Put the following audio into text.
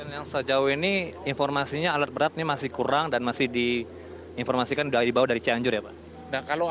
yang sejauh ini informasinya alat berat ini masih kurang dan masih diinformasikan sudah dibawa dari cianjur ya pak